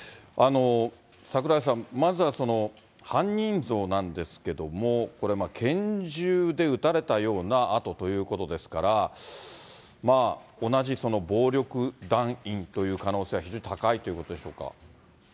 櫻井さん、まずは犯人像なんですけども、これ、拳銃で撃たれたような痕ということですから、同じ暴力団員という可能性は非常に高いということでしょうか。